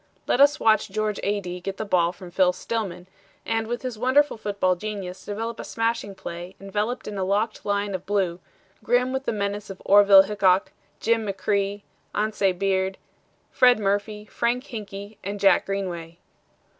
Let us watch George Adee get the ball from Phil Stillman and with his wonderful football genius develop a smashing play enveloped in a locked line of blue, grim with the menace of Orville Hickok, Jim McCrea, Anse Beard, Fred Murphy, Frank Hinkey and Jack Greenway.